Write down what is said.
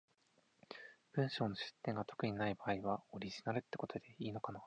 文章の出典が特にない場合は、オリジナルってことでいいのかな？